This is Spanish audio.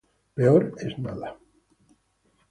Peor es nada.